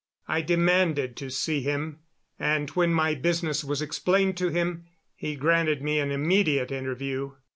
I demanded to see him, and when my business was explained to him he granted me an immediate interview.